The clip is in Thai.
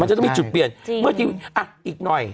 จะต้องมีจุดเปลี่ยนเมื่อทีมอ่ะอีกหน่อย